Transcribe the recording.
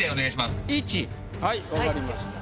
①？はい分かりました。